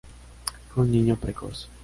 Fue un niño precoz.